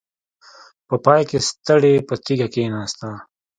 په پای کې ستړې په تيږه کېناسته.